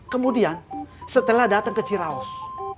kemudian setelah datang ke ciraus